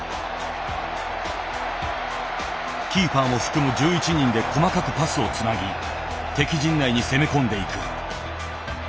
キーパーを含む１１人で細かくパスをつなぎ敵陣内に攻め込んでいく。